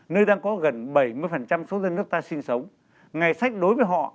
và hàng trăm số dân nước ta sinh sống ngày sách đối với họ